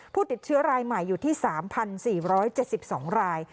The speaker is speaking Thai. ผู้ติดเชื้อรายใหม่อยู่ที่๓๔๗๒ราย